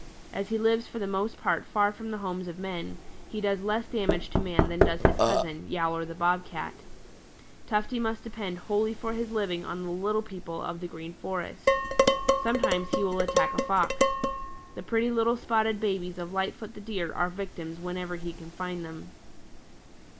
As he lives for the most part far from the homes of men, he does less damage to man than does his cousin, Yowler the Bob Cat. Tufty must depend wholly for his living on the little people of the Green Forest. Sometimes he will attack a Fox. The pretty little spotted babies of Lightfoot the Deer are victims whenever he can find them.